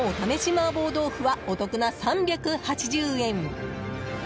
麻婆豆腐はお得な３８０円。